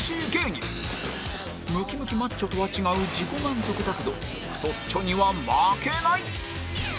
ムキムキマッチョとは違う自己満足だけど太っちょには負けない！